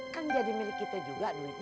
kan jadi milik kita juga duitnya